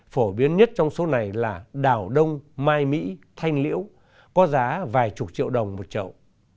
phổ biến nhất trong số này là đảo đông mai mỹ thanh liễu có giá vài chục triệu đồng một chậu